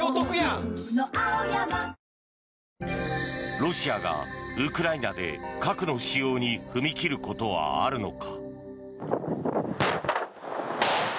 ロシアがウクライナで核の使用に踏み切ることはあるのか。